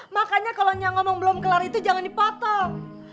makanya kalo nyangomong belum kelar itu jangan dipotong